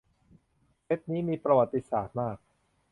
เซตนี้ ประวัติศาสตร์มาก